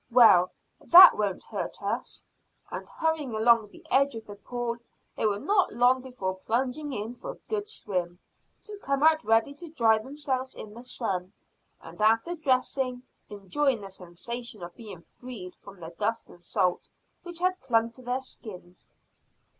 "Well, that won't hurt us," and hurrying along the edge of the pool they were not long before plunging in for a good swim, to come out ready to dry themselves in the sun, and, after dressing, enjoying the sensation of being freed from the dust and salt which had clung to their skins.